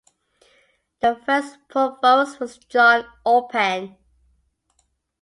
The first provost was John Orpen.